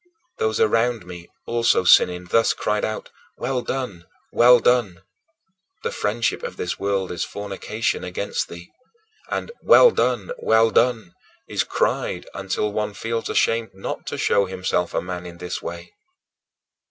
Those around me, also sinning, thus cried out: "Well done! Well done!" The friendship of this world is fornication against thee; and "Well done! Well done!" is cried until one feels ashamed not to show himself a man in this way.